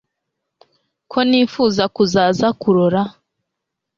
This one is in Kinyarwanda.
ko nifuza kuzaza kurora